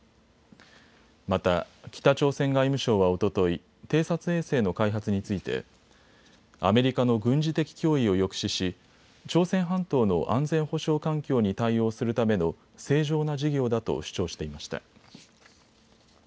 また北朝鮮外務省はおととい偵察衛星の開発についてアメリカの軍事的脅威を抑止し朝鮮半島の安全保障環境に対応するための正常な事業だと主張していました。